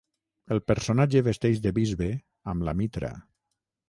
El personatge vesteix de bisbe, amb la mitra.